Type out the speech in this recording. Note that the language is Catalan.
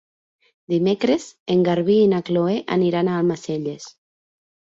Dimecres en Garbí i na Chloé aniran a Almacelles.